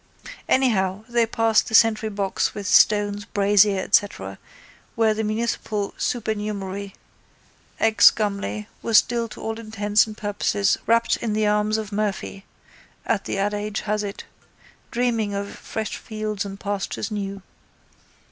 Anyhow they passed the sentrybox with stones, brazier etc. where the municipal supernumerary, ex Gumley, was still to all intents and purposes wrapped in the arms of Murphy, as the adage has it, dreaming of fresh fields and pastures new.